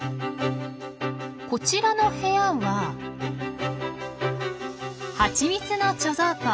こちらの部屋はハチミツの貯蔵庫。